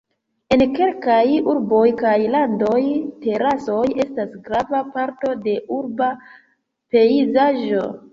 En kelkaj urboj kaj landoj terasoj estas grava parto de urba pejzaĝo.